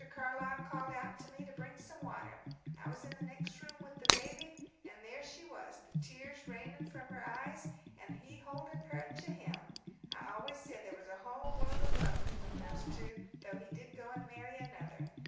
Carlyle called out to me to bring some water I was in the next room with the baby and there she was, the tears raining from her eyes, and he holding her to him. I always said there was a whole world of love between those two; though he did go and marry another.